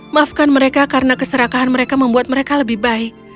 maafkan mereka karena keserakahan mereka membuat mereka lebih baik